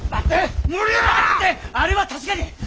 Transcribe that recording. あれは確かに。